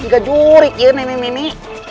tidak menyerah ya nenek